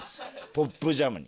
『ポップジャム』に。